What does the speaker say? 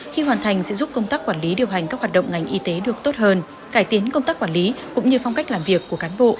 khi hoàn thành sẽ giúp công tác quản lý điều hành các hoạt động ngành y tế được tốt hơn cải tiến công tác quản lý cũng như phong cách làm việc của cán bộ